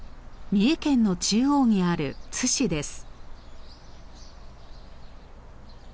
三重県の中央にある津市です。